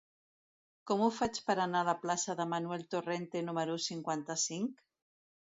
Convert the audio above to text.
Com ho faig per anar a la plaça de Manuel Torrente número cinquanta-cinc?